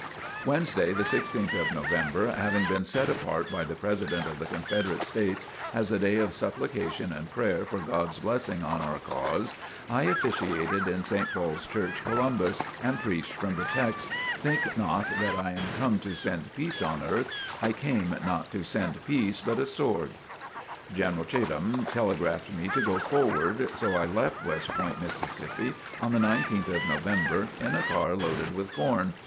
Wednesday, the 16th of November, having been set apart by the President of the Confederate States as a day of supplication and prayer for God's blessing on our cause, I officiated in St. Paul's Church, Columbus, and preached from the text: "Think not that I am come to send peace on earth: I came not to send peace, but a sword." General Cheatham telegraphed me to go forward. So I left West Point, Mississippi, on the 19th of November, in a car loaded with corn.